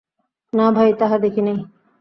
না ভাই, তাহা দেখি নাই।